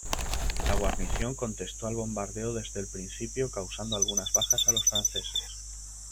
La guarnición contestó al bombardeo desde el principio, causando algunas bajas a los franceses.